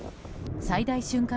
最大瞬間